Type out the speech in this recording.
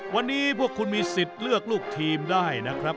ยังกงหลูเยอิเชียน